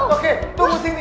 oke tunggu sini